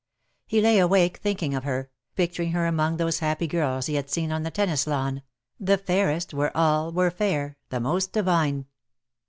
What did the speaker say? He lay awake thinking of her, picturing her among those happy girls he had seen on the tennis lawn, the fairest where all were fair, the most divine.